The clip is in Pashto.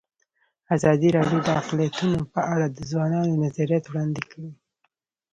ازادي راډیو د اقلیتونه په اړه د ځوانانو نظریات وړاندې کړي.